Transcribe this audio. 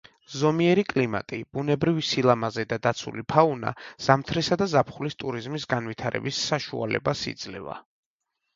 ზომიერი კლიმატი, ბუნებრივი სილამაზე და დაცული ფაუნა ზამთრისა და ზაფხულის ტურიზმის განვითარების საშუალებას იძლევა.